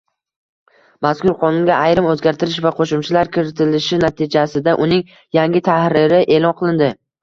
Mazkur qonunga ayrim oʻzgartish va qoʻshimchalar kiritilishi natijasida uning yangi tahriri eʼlon qilindi.